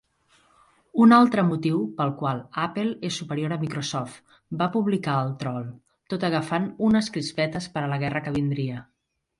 "Un altre motiu pel qual Apple és superior a Microsoft", va publicar el trol, tot agafant unes crispetes per a la guerra que vindria.